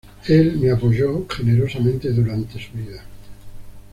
Él me apoyó generosamente durante su vida".